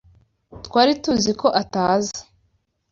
Twari tuzi ko ataza.